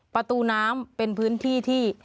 ประตูน้ำเป็นพื้นที่ที่